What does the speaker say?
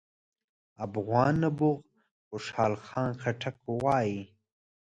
افغان نبوغ خوشحال خان خټک وايي: